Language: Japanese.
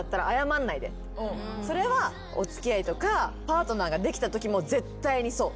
それはお付き合いとかパートナーができたときも絶対にそう。